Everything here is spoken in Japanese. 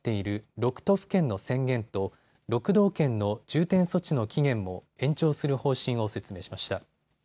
６都府県の宣言と６道県の重点措置の期限も延長する方針を説明しました。